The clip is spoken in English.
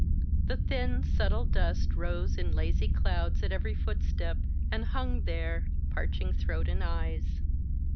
The thin, subtle dust rose in lazy clouds at every footstep, and himg there, parching throat and eyes.